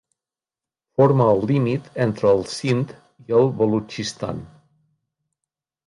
Forma el límit entre el Sind i el Balutxistan.